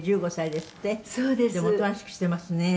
「でもおとなしくしてますね」